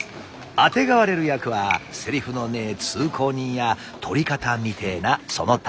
あてがわれる役はセリフのねえ通行人や捕り方みてえなその他大勢。